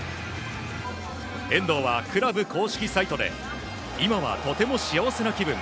遠藤はクラブ公式サイトで今はとても幸せな気分。